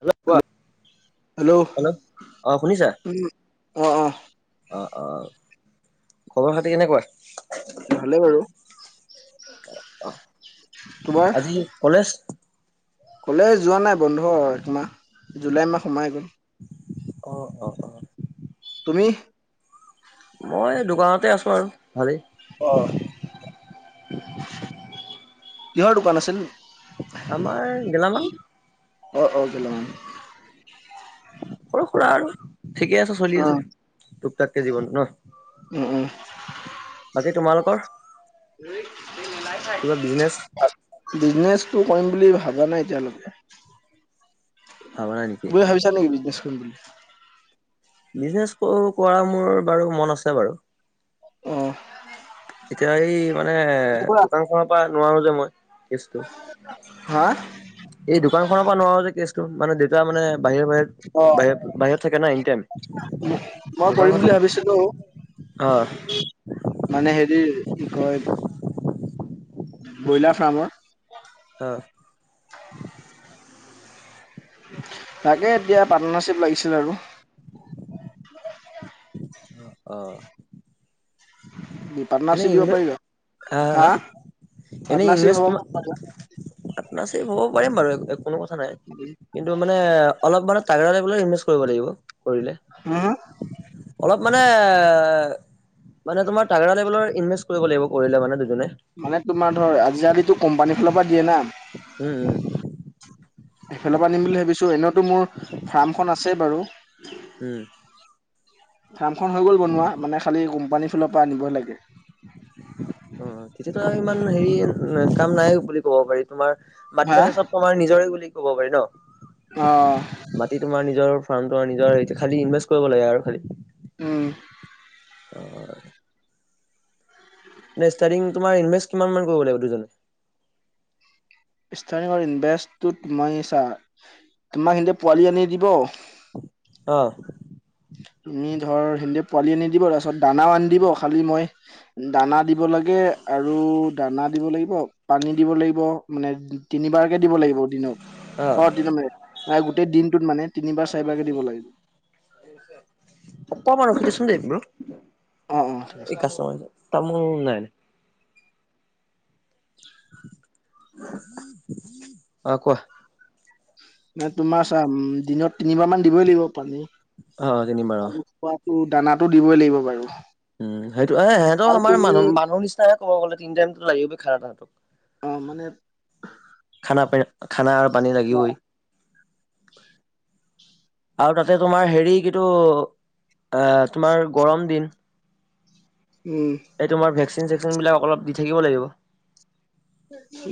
হে'ল কোৱা hello hello অ, শুনিছা উম অ অ অ', অ, খবৰ খাতি কেনেকুৱা? ভালেই বাৰু আজি কলেছ? ক'লে যোৱা নাই বন্ধ হৈ একমাহ জুলাই মাহ সোমাই গ'ল। অ', অ', অ'। তুমি? মই দোকানতে আছো আৰু। ভালেই অ', কিহৰ দোকান আছিল? আমাৰ গেলামাল। অ অ গেলামাল সৰু-সুৰা আৰু ঠিকেই আছে চলি আছে টোক-টাককে জীৱন, ন? উ, উ। বাকী তোমালোকৰ কিবা বিজনেচ বিজনেছ টো কৰিম বুলি ভাবা নাই এতিয়ালৈকে। ভাবা নাই নেকি [unintelligible] ভাবিছা নেকি বিজনেছ কৰিম বুলি। বিজনেচ কৰা মোৰ বাৰু মন আছে বাৰু। অ', এতিয়া এই মানে দোকানখনৰ পৰা নোৱাৰো যে মই। কেচটো, হা এই দোকান খনৰ পৰা নোৱাৰো যে কেচ কৰিব। মানে দেউতা মানে বাহিৰে বাহত, অ বাহত বাহিৰত থাকে ন এনিটাইম মই কৰিম দোকানখন বুলি থাকে ভাবিছিলো অ', মানে হেৰি কি কয় ব্ৰইলাৰ ফাৰ্মৰ অ তাকে এতিয়া পাৰ্টনাৰশ্বিপ লাগিছিল আৰু। অ', অ'। [unintelligible] পাৰ্টনাৰশ্বিপ দিব পাৰিবা? আ হা হা হা, এনে পাৰ্টনাৰশ্বিপ ইনভেষ্ট কিমান হ'ব পাৰ্টনাৰশ্বিপ হ'ব পাৰিম বাৰু কোনো কথা নাই, কিন্তু মানে অলপ মানে তাগৰা ফুলে ইনভেষ্ট কৰিব লাগিব কৰিলে। হাঁ, হাঁ? অলপ মানে মানে তোমাৰ তাগৰা লেভেলৰ ইনভেষ্ট কৰিব লাগিব কৰিলে মানে [unintelligible] মানে তোমাৰ ধৰ আজিকালিতো কোম্পানী ফালৰ পৰা দিয়ে না। উম সেইফালৰ পৰা আনিম বুলি ভাবিছো এনেওতো মোৰ ফাৰ্মখন আছে বাৰু। উম ফাৰ্মখন হৈ গ'ল বনোৱা মানে খালী কোম্পানী ফালৰ পৰা আনিবই লাগে। অ', তেতিয়াতো আৰু ইমান হেৰি কাম নাই বুলি ক'ব পাৰি তোমাৰ। মাটি হা চাটি চব কমায় নিজৰে বুলি ক'ব পাৰি ন। আ, মাটি তোমাৰ নিজৰ ফাৰ্মটো আৰু নিজৰ হেৰিটো খালী ইনভেষ্ট কৰিব লাগে আৰু খালী উ। অ, নে ষ্টাৰটিং তোমাৰ ইনভেষ্ট কিমানমান কৰিব লাগিব দুজনে? তাৰেই হ'ল ইনভেষ্টটো তোমাই চা, তোমাক সিনতে পোৱালি আনি দিব অ', তুমি ধৰ সেতি পোৱালি আনি দিব, তাৰপিছত দানাও আনি দিব, খালি মই দানা দিব লাগে আৰু দানা দিব লাগিব পানী দিব লাগিব মানে তিনিবাৰকে দিব লাগিব অ দিনত। অহ' তিননে গোটেই দিনটোত মানে তিনিবাৰ চাৰিবাৰ কে দিব লাগিব। অকমান ৰখি দিচোন দেই ব্ৰহ। অ অ ঠিক আছে এই কাষ্টমাৰজন। তামোল নাই নাই। [inaudible] অ' কোৱা। নাই তোমাৰ চোৱা দিনত তিনিবাৰ মান দিবই লাগিব পানী। অহ' তিনি বাৰ। দানাতো দিবই লাগিব বাৰু। উম সেইটো এ সিহঁত আৰু আমাৰ তুমি মানুহ-মানুহ নিচিনাহে ক'ব গলে তিন টাইমটো লাগিবই খানা তাহাঁতক। অহ' মানে। [unintelligible] খানা আৰু পানী লাগিবই। [unintelligible] আৰু তাতে তোমাৰ হেৰি কিন্তু এ তোমাৰ গৰম দিন। উম এই তোমাৰ ভেকচিন চেকচিন বিলাক অলপ দি থাকিব লাগিব।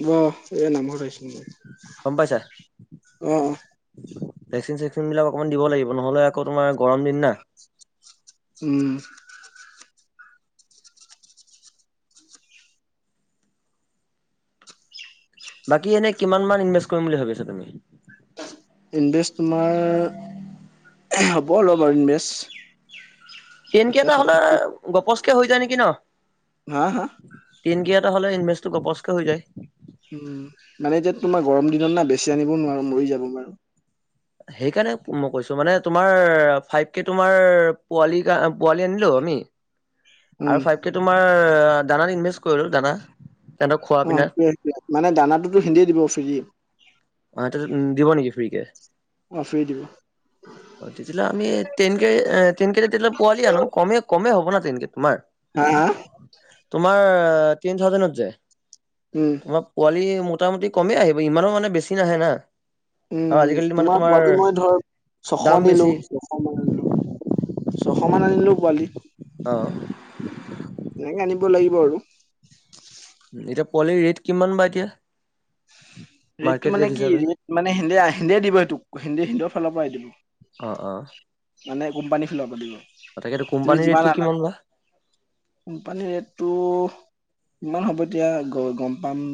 বহ। এই নামত আহিছো মই। গম পাইছ। অ'- অ'। ভেকচিন চেকচিন বিলাক অকমান দিব লাগিব নহ'লে আকৌ তোমাৰ গৰম দিন না। উম। বাকী এনেই, কিমান মান ইনভেষ্ট কৰিম বুলি ভাবিছা তুমি। ইণ্ভেষ্ট তোমাৰ [unintelligible] ইনভেষ্ট। টেনকে এতিয়া এটা হ'লে সঠিক গপচকে হৈ যায় নেকি ন। হা হা [unintelligible] এটা হ'লে ইনভেচটো গপচকৈ হৈ যায়। উম' মানে এতিয়া তোমাৰ গৰম দিনত না, বেছি আনিবও নোৱাৰো মৰি যাব বাৰু। সেইকাৰণে মই কৈছো মানে তোমাৰ ফাইভ কে তোমাৰ পোৱালি- পোৱালি আনিলো। আমি উম আৰু ফাইভকে তোমাৰ দানাত ইনভেষ্ট কৰিলো দানা। সিহঁতক খোৱা পিনা অ' সেইটোৱে মানে দানাটোতো সিহতিয়ে দিব ফ্ৰীয়ে। অ' [unintelligible] দিব নেকি ফ্ৰীকে। অ ফ্ৰী দিব অ', তেতিয়াহ'লে আমি টেন কে টেন কেজি তেতিয়ালে পোৱালি আনো কমে- কমে হ'ব না। তেনকে তোমাৰ হা- হা। তোমাৰ, তিন থাউজেনত যায়। উম তোমাৰ পোৱালি মোটামুটি কমেই আহিব ইমানো মানে বেছি নাহে না। উম' আজিকালি মানে তোমাৰ পোৱালি মই ধৰ ছশ দাম নিলো, বেছি ছশ মান। চ' সমান আনিলেও পোৱালি। অ'। [unintelligible] লাগিব আৰু। এতিয়া পোৱালিৰ ৰেট কিমান বা এতিয়া। ৰেটতটো মাৰ্কেট মানে ৰেট কি, হিচাপে ৰেট মানে সেহেন্তে আ, সেহেন্তে দিব। সেইটোক হিন্তে সেন্তৰ ফালৰ পৰা আহি অ দিব। অ'। মানে কোম্পানী খেলাব দিব। তাকেতো তুমি কোম্পানীৰ যিমান ৰেটটো আনা কিমান বা কোম্পানীৰ ৰেটটো কিমান হ'ব এতিয়া গ গম পাম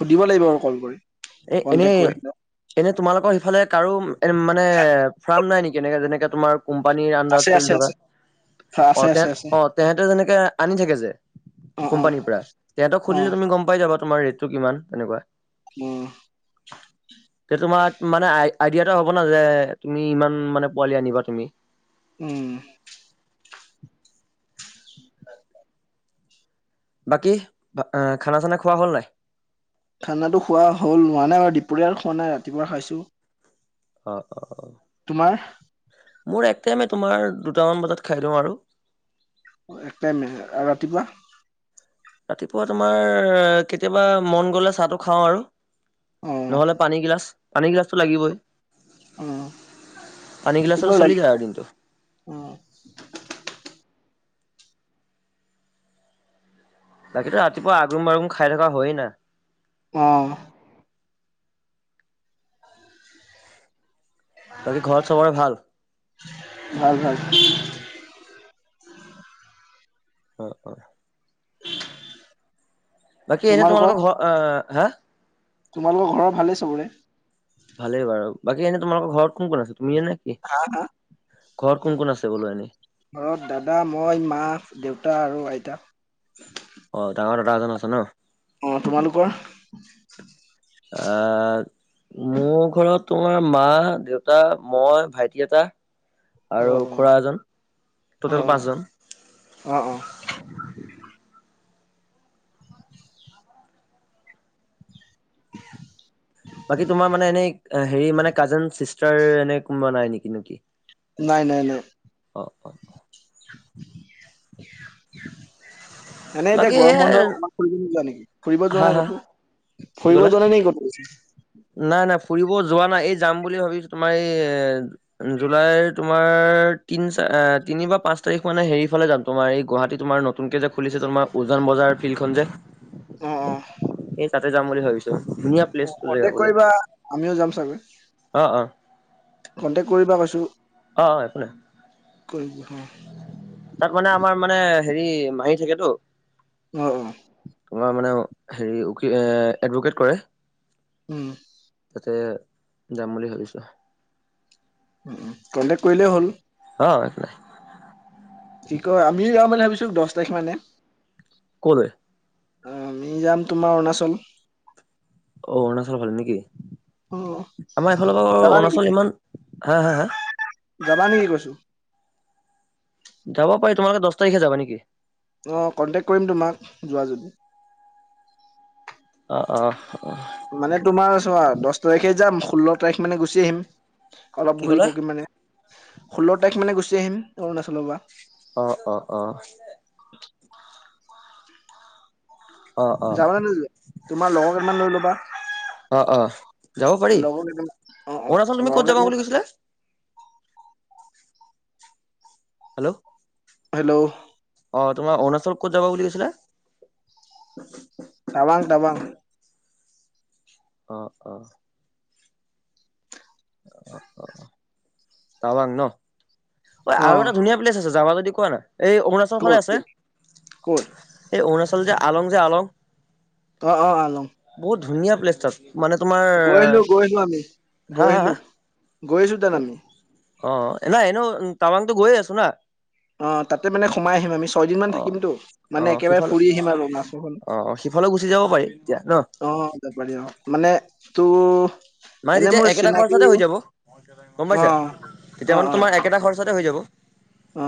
সুধিব লাগিব আৰু কল কৰি। এ এনে। কন্টেক কৰি এনে তোমালোকৰ এইফালে কাৰো এ মানে ফাৰ্ম নাই নেকি এনেকে যেনেকে তোমাৰ কোম্পানীৰ আছে আন্দাৰত চলি আছে থকা। আছে আছে অ', আছে তেহেত আছে অ' তেহেঁতৰ যেনেকে আনি থাকে যে। অ অ কোম্পানীৰ পৰা তেহঁতক অ সুধিলে তুমি গম পাই যাবা। তোমাৰ ৰেটটো কিমান তেনেকুৱা। উম। তে তোমাৰ মানে আই আইডিয়া এটা হ'ব ন যে তুমি ইমান মানে পোৱালি আনিবা তুমি। উম। বাকী, ভা খানা চানা খোৱা হ'ল নাই। খানাটো খোৱা হ'ল হোৱা নাই বাৰু দুপৰীয়াৰ খোৱা নাই ৰাতিপুৱা খাইছোঁ। অ', অ', অ'। তোমাৰ। মোৰ এক টাইমে তোমাৰ দুটামান বজাত খাই দিওঁ আৰু। অ' একটাইমে ৰাতিপুৱা। ৰাতিপুৱা তোমাৰ কেতিয়াবা মন গ'লে চাহটো খাওঁ আৰু। অ নহ'লে পানী গিলাচ, পানী গিলাচটো লাগিবই। উম। পানী গিলাচতে চলি যায় আৰু দিনটো [unintelligible] বাকীতো ৰাতিপুৱা আগুম বাগুম খাই থকা হয়ে না। অ'। বাকী ঘৰত চবৰে ভাল। ভাল ভাল অ', অ'। বাকী এনে তোমালোকৰ ঘৰ অ' হা। তোমালোকৰ ঘৰৰ ভালেই চবৰে। ভালেই বাৰু, বাকী এনে তোমালোকৰ ঘৰত কোন কোন আছে তুমি নে কি। ঘৰত কোন কোন আছে বোলো এনেই ঘৰত দাদা, মই, মা, দেউতা আৰু আইতা। অ' ডাঙৰ দাদা এজন আছে ন। অ' তোমালোকৰ। অ মোৰ ঘৰত তোমাৰ মা, দেউতা, মই, ভাইটি এটা। আৰু অ', অ', খুড়া এজন, টটেল অ', পাঁচজন। [inaudible] [inaudible] বাকী তোমাৰ মানে এনেই হেৰি মানে কাজেন চিষ্টাৰ এনে কোনোবা নাই নেকি নেকি। নাই, নাই, নাই। অ', অ', অ'। [unintelligible] এনে এতিয়া বাকী সে গৰম বন্ধ ফুৰিব যোৱা হা নাই হা ক'তো। কি ফুৰিব ক'লা যোৱা নাই নেকি? নাই না ফুৰিব যোৱা নাই এই যাম বুলি ভাবিছোঁ তোমাৰ এই জুলাইৰ তোমাৰ তিনি চাৰ এ তিনি বা পাঁচ তাৰিখ মানে হেৰি ফালে যাম তোমাৰ গুৱহাটী তোমাৰ নতুনকে যে খুলিছে তোমাৰ উজান বজাৰ ফিল্ডখন [unintelligible] অ', অ'। তাতে যাম বুলি ভাবিছোঁ, ধুনীয়া প্লেচটো যেগা কণ্টেক্ট বোলে। কৰিবা, আমিও অ', অ'। কনটেক্ কৰিবা কৈছো। অ', অ', একো নাই। অ', তাত মানে আমাৰ মানে হেৰি মাহী থাকেতো। অ', অ তোমাৰ মানে হেৰি উকীল-এডভকেট কৰে। উম। তাতে, যাম বুলি ভাবিছোঁ। উম', উম', কনটেক্ট কৰিলেই হ'ল। অ' একো নাই। কি কয় আমিও যাওঁ মানে ভাবিছোঁ দশ তাৰিখ মানে। কলৈ অ' আমি যাম তোমাৰ অৰুণাচল। অ' অৰুণাচলৰ ফালে নেকি? অ', আমাৰ এফালৰ পৰাও যাবা নেকি? অৰুণাচল ইমান, হা হা হা? যাবা নেকি কৈছো? যাব পাৰি, তোমালোকে দহ তাৰিখে যাবা নেকি? অ', কন্টেক্ট কৰিম তোমাক, যোৱা যদি। অ', অ'। মানে তোমাৰ চোৱা দহ তাৰিখে যাম, ষোল্ল তাৰিখ মানে গুচি আহিম। অলপ কি ঘূৰি ক'লা? পকিম মানে, ষোল্ল তাৰিখ মানে গুচি আহিম অৰুণাচলৰ পৰা। অ', অ', অ'। [inaudible] অ', অ', যাবা নে নোযোৱা? তোমাৰ লগৰ কেইটামান লৈ ল'বা। অ', অ', যাব পাৰি লগৰ কেইটা অৰুণাচল তুমি অ'-অ' ক'ত যাবা লগৰকেইটা বুলি [inaudible] কৈছিলা? হেল্ল'। হেল্ল'। অ', তোমাৰ অৰুণাচল ক'ত যাবা বুলি কৈছিলা? টাৱাং টাৱাং অ', অ'। অ', অ'। টাৱাং ন? ঐ, অ আৰু এটা ধুনীয়া প্লেছ আছ যাবা যদি কোৱা না? এই অৰুণাচল ফালে আছে। ক'ত ক'ত এই অৰুণাচল আচল যে আলং যে আলং। অ', -অ' আহ লম। বহুত ধুনীয়া প্লেছত। মানে তোমাৰ গৈ আহিলো আমি গৈ হাঁ, হাঁ, আহিলো হাঁ। গৈ আছো তাত আমি অ' নাই এনেও টাবাংতো গৈ আছো না। অ', তাতে মানে সোমাই আহিম আমি ছয়দিনমান অ', থাকিমতো, মানে একেবাৰে ফুৰি আহিম আৰু অৰুণাচলখন। সিফালেও গুচি যা অ', ত পাৰি অ'। মানে তো মানে এনে তেতিয়া মোৰ একেটা চিনাকি খৰচতে হৈ যাব, গম অ পাইছা? তেতিয়া অ মানে তোমাৰ অ একেটা খৰচতে হৈ যাব।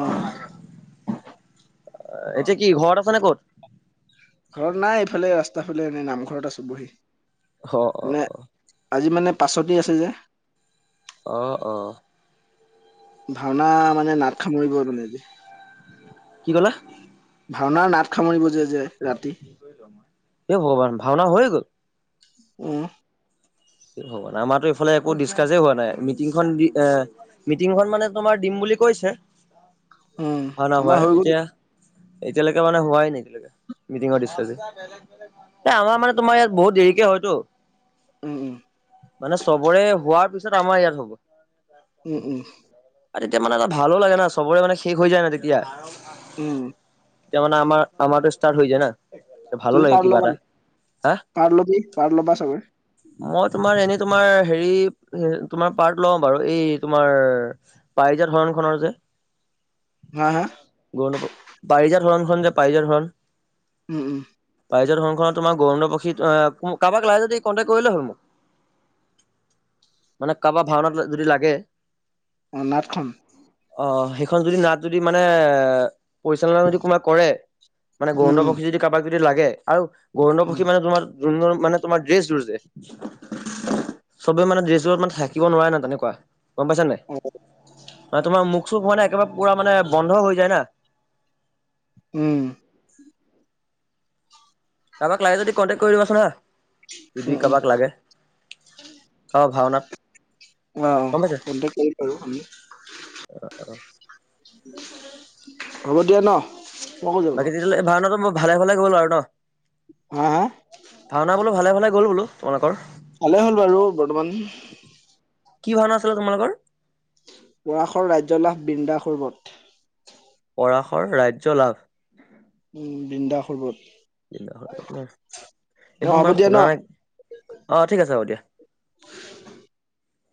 অ এতিয়া কি ঘৰত আছা নে ক'ত? ঘৰত নাই এইফালে ৰাস্তা ফালে এনেই নামঘৰত আছো বহি। অ', অ', অ'। পাছতেই আছে যে অ', অ'। ভাওনা মানে নাট সামৰিব তোন আজি। কি ক'লা? ভাওনাৰ নাট সামৰিব যে যে ৰাতি [unintelligible] হে ভগৱান, ভাওনা হৈয়ে গ'ল? উম'। হ'ব নাই আমাৰো ইফালে একো ডিচকাচ হোৱা নাই। মিটিংখন দিম, মিটিংখন মানে তোমাৰ দিম বুলি বুলি কৈছে। [inaudible] উম ভাওনা আমাৰ হোৱাই, হৈ গ'ল এতিয়া, এতিয়ালৈকে মানে হোৱাই নাই এতিয়ালৈকে? মিটিঙৰ দৃশ্যযে? এই আমাৰ মানে তোমাৰ ইয়াত বহুত দেৰিকে হয়তো। উম উম মানে চবৰে হোৱাৰ পিছত আমাৰ ইয়াত হ'ব। উম-উম। আৰু তেতিয়া মানে ভালো লাগে না চবৰে মানে শেষ হৈ যায় না তেতিয়া। উম তাৰমানে আমাৰ আমাৰতো ষ্টাৰ্ট হৈ যায় ন। তুমি পাৰ ল'বা হা নাই? পাৰ ল'বি পাৰ ল'বা চবে। মই তোমাৰ এনেই তোমাৰ হেৰি তোমাৰ পাৰ্ট লও বাৰু এই তোমাৰ প পাৰিজাত হৰণখনৰ যে হাঁ, হাঁ। [unintelligible] পাৰিজাত হৰণ খন যে, পাৰিজাত হৰণ। উ, উ। পাৰিজাত শংখ, তোমাৰ গৌৰন্ন পক্ষী অ' কাৰোবাক লাগে যদি কণ্টেক কৰিলে হ মোক মানে কাৰবাৰ ভাওনাত যদি লাগে। অনটখন অ' সেইখন যদি নাট যদি মানে এ পৰিচালনা যদি কোব কৰে মানে উম গন্ধৰ উম পক্ষী যদি কাৰোবাক যদি লাগে আৰু গৰুণ্ড উম পক্ষী মানে তোমাৰ যোন মানে তোমাৰ ড্ৰেছ যোৰ যে চবে মানে ড্ৰেছবোৰত মানে থাকিব নোৱাৰে না তেনেকুৱা। গম পাইছা নাই? অ বা তোমাৰ ম চুপ হোৱা নাই একেবাৰে পুৰা মানে বন্ধ হৈ যায় না। উম। কাৰোবাক লাগে যদি কণ্টেক্ট কৰি দিবাচোন হা উম যদি উম কাৰোবাক লাগে। অ' কাৰোবাক ভাওনাত স কৰিাৰো আি [unintelligible] আহ অ [unintelligible] হ'ব দিয়া ন। আকৌ যাব বাকী তেতিয়াহ'লে এই ভাওনাটো মই ভালে ভালে গ'লো আৰু ন। হা হা ভাওনা বোলো ভালে ভালে গ'ল বোলো তোমালোকৰ। ভালে হ'ল বাৰু বৰ্তমান। কি ভাওনা আছিলে তোমালোকৰ পৰাশৰ ৰাজ্যলাভ বৃন্দাসুৰ্বত। পৰাশৰ ৰাজ্য লাভ। উম বৃন্দাাসৰ্বত। দিলা ন। অ এইখন হ'ব বাৰু দিয়া ন শুনা নাই অ ঠিক আছে বাৰ দিয়া। [inaudible]